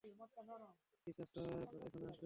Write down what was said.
কিছা sir, এখানে আসুন।